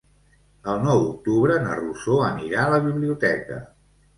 El nou d'octubre na Rosó anirà a la biblioteca.